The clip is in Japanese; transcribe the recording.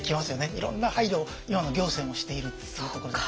いろんな配慮を今の行政もしているっていうところで。